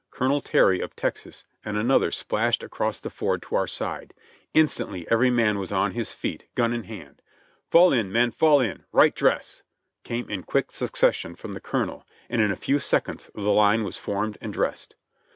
Colonel Terr}', of Texas, and another, splashed across the ford to our side. Instantly every man was on his feet, gun in hand. "Fall in, men; faU in! Right dress!" came in quick succession from the colonel, and in a few seconds the Hne was formed and dressed.